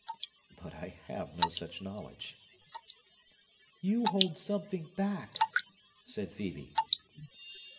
But I have no such knowledge." "You hold something back!" said Phœbe.